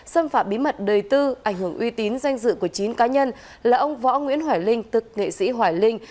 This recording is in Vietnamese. xâm phạm bí mật đời tư ảnh hưởng uy tín danh dự của chín cá nhân là ông võ nguyễn hoài linh tức nghệ sĩ hoài linh